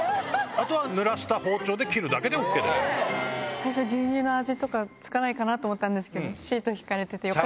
最初牛乳の味付かないかなって思ったんですけどシート敷かれててよかった。